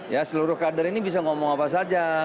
ya seluruh kader ini bisa ngomong apa saja